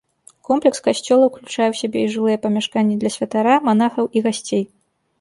Комплекс касцёла ўключае ў сябе і жылыя памяшканні для святара, манахаў і гасцей.